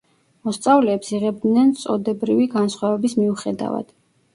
მოსწავლეებს იღებდნენ წოდებრივი განსხვავების მიუხედავად.